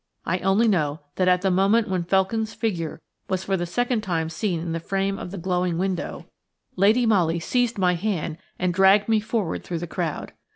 I only know that at the moment when Felkin's figure was, for the second time, seen in the frame of the glowing window, Lady Molly seized my hand and dragged me forward through the crowd.